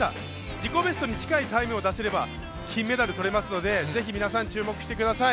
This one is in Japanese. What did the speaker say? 自己ベストに近いタイムを出せれば、金メダルとれますのでぜひ皆さん、注目してください。